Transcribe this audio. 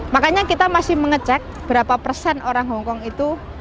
makanya kita masih mengecek berapa persen orang hongkong itu